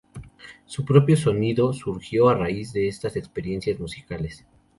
Su propio sonido surgió a raíz de estas experiencias musicales.